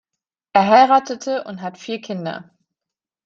Er heiratete und hat vier Kinder.